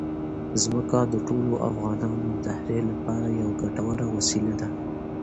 ځمکه د ټولو افغانانو د تفریح لپاره یوه ګټوره وسیله ده.